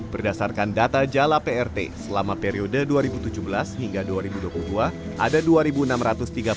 berdasarkan data jala prt selama periode dua ribu tujuh belas hingga dua ribu dua puluh dua ada dua enam ratus tiga puluh